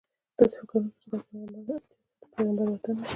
داسې فکر ونه کړې چې دا د پیغمبر وطن دی.